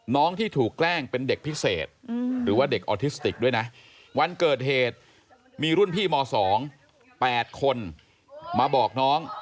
น้องที่ถูกแกล้งเป็นเด็กพิเศษหรือว่าเด็กออทิสติกด้วยนะวันเกิดเหตุมีรุ่นพี่ม๒๘คนมาบอกน้อง